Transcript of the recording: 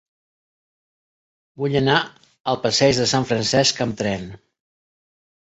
Vull anar al passeig de Sant Francesc amb tren.